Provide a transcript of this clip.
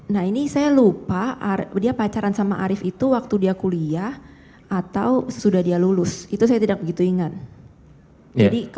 nah ini saya lupa dia pacaran sama arief itu waktu dia kuliah atau sesudah dia lulus itu saya tidak begitu ingat